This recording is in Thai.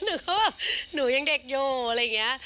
หนูก็แบบหนูยังเด็กอยู่อะไรอย่างนี้